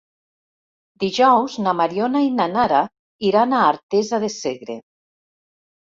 Dijous na Mariona i na Nara iran a Artesa de Segre.